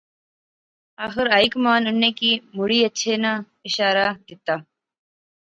آخر ہائی کمان انیں کی مڑی اچھے ناں شارہ دتا